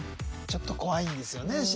ちょっと怖いんですよね